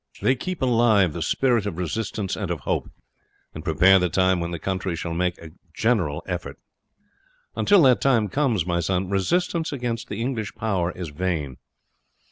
They keep alive the spirit of resistance and of hope, and prepare the time when the country shall make a general effort. Until that time comes, my son, resistance against the English power is vain.